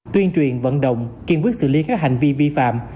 tuyên truyền vận động kiên quyết xử lý các hành vi vi phạm